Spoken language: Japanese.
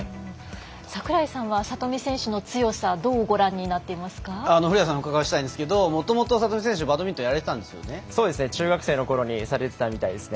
櫻井さんは里見選手の強さをどうご覧になっていますか。古屋さんにお伺いしたいんですけどもともと里見選手バドミントンをそうですね。中学生のころにされていたみたいですね。